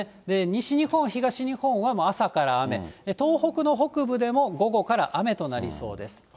西日本、東日本は朝から雨、東北の北部でも午後から雨となりそうです。